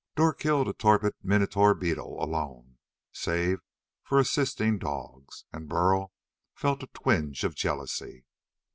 Dor killed a torpid minotaur beetle alone, save for assisting dogs, and Burl felt a twinge of jealousy.